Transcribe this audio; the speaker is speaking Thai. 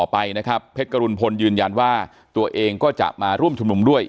ไปนะครับเพชรกรุณพลยืนยันว่าตัวเองก็จะมาร่วมชุมนุมด้วย